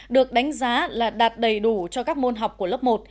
được đánh giá là đạt đầy đủ cho các môn học của lớp một